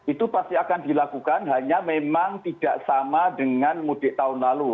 itu pasti akan dilakukan hanya memang tidak sama dengan mudik tahun lalu